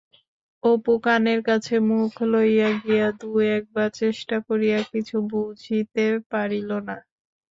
অপু কানের কাছে মুখ লইয়া গিয়া দু-একবার চেষ্টা করিয়াও কিছু বুঝিতে পারিল না।